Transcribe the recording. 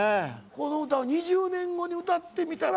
この歌を２０年後に歌ってみたらどうなる？